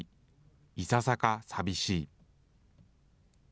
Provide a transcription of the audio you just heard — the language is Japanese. いささか寂しい。